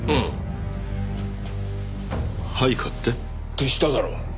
手下だろう。